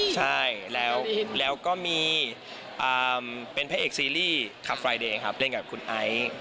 ใช่แล้วก็มีเป็นแพะเอกซีรีส์คับฟรายเดย์เล่นกับคุณไอซ์